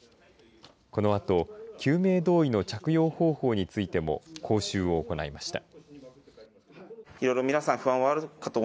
このあと、救命胴衣の着用方法についても講習を行いました。